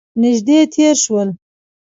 نژدې تیر شول